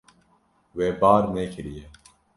We bar nekiriye.